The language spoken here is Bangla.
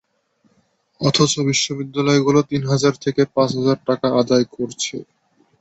অথচ বিদ্যালয়গুলো তিন হাজার থেকে পাঁচ হাজার টাকা করে আদায় করছে।